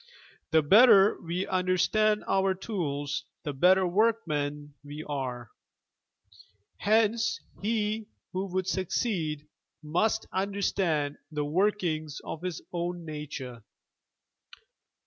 The better we understand our tools the better workmen we are. Henee he who would succeed must understand the workings of his own nature.